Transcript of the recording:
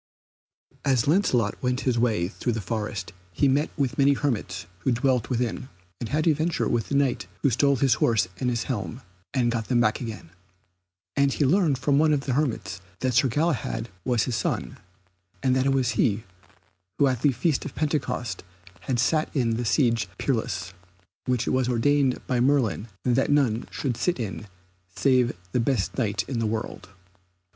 As Lancelot went his way through the forest he met with many hermits who dwelled therein, and had adventure with the Knight who stole his horse and his helm, and got them back again. And he learned from one of the hermits that Sir Galahad was his son, and that it was he who at the Feast of Pentecost had sat in the Siege Perilous, which it was ordained by Merlin that none should sit in save the best Knight in the world.